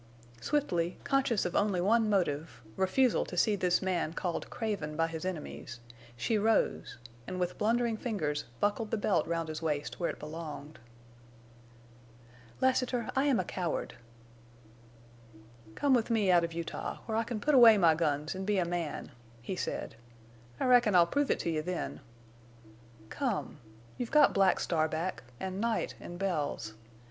Swiftly, conscious of only one motive—refusal to see this man called craven by his enemies—she rose, and with blundering fingers buckled the belt round his waist where it belonged. "Lassiter, I am the coward." "Come with me out of Utah—where I can put away my guns an' be a man," he said. "I reckon I'll prove it to you then! Come! You've got Black Star back, an' Night an' Bells.